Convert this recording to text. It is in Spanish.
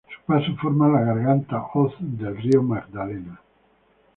Su paso forma la garganta Hoz del Río Magdalena.